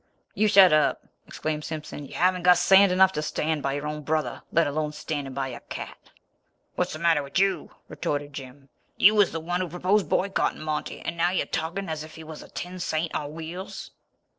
"You shut up!" exclaimed Simpson. "You haven't got sand enough to stand by your own brother let alone standing by a cat." "What's the matter with you?" retorted Jim. "You was the one who proposed boycotting Monty, and now you're talking as if he was a tin saint on wheels."